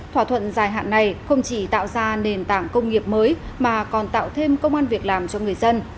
thỏa thuận dài hạn này không chỉ tạo ra nền tảng công nghiệp mới mà còn tạo thêm công an việc làm cho người dân